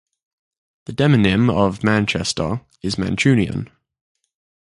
The demonym of Manchester is Mancunian.